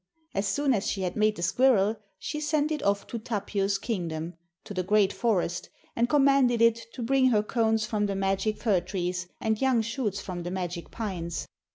As soon as she had made the squirrel, she sent it off to Tapio's kingdom, to the great forest, and commanded it to bring her cones from the magic fir trees and young shoots from the magic pines.